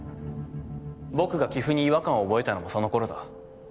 僕が棋譜に違和感を覚えたのもそのころだ。